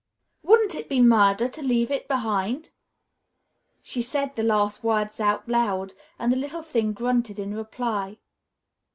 Wouldn't it be murder to leave it behind?" She said the last words out loud and the little thing grunted in reply.